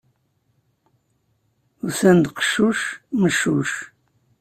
Usan-d qeccuc, meccuc.